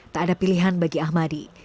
tak ada pilihan bagi ahmadi